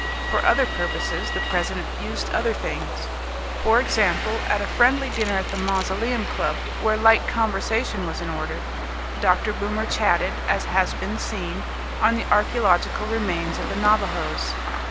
For other purposes the president used other things. For example at a friendly dinner at the Mausoleum Club where light conversation was in order, Dr. Boomer chatted, as has been seen, on the archaeological remains of the Navajos.